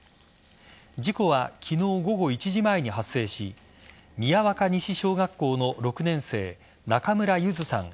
事故は昨日午後１時前に発生し宮若西小学校の６年生中村優杏さん